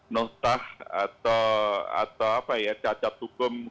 notah atau cacat hukum